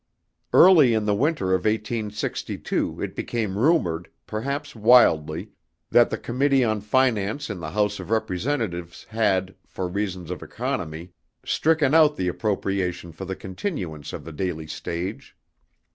Early in the winter of 1862 it became rumored perhaps wildly that the Committee on Finance in the House of Representatives had, for reasons of economy, stricken out the appropriation for the continuance of the daily stage.